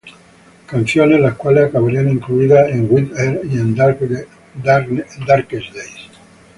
Canciones las cuales acabarían incluidas en"Wither" y en "Darkest Days".